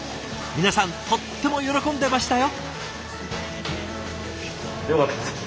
皆さんとっても喜んでましたよ。